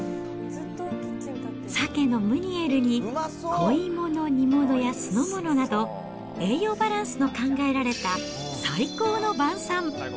サケのムニエルに小芋の煮物や酢の物など、栄養バランスの考えられた最高の晩さん。